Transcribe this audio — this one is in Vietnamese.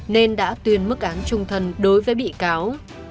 nên đã tuyên mức án trung thân đối với bị cáo